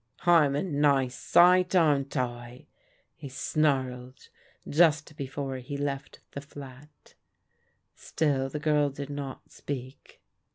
" I'm a nice sight, aren't I ?" he snarled just before he left the flat. Still the girl did not speak.